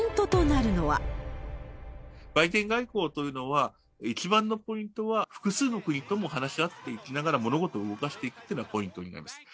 バイデン外交というのは、一番のポイントは、複数の国とも話し合っていきながら、物事を動かすというのがポイントになります。